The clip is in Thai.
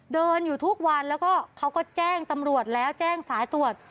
เดินอยู่ทุกวันแล้วก็เขาก็แจ้งตำรวจแล้วแจ้งสายตรวจ